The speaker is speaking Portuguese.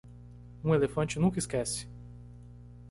Um elefante nunca esquece.